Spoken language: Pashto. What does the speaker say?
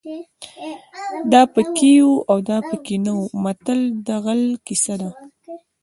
دا پکې وو او دا پکې نه وو متل د غل کیسه ده